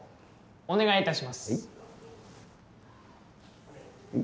お願いいたします。